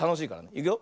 いくよ。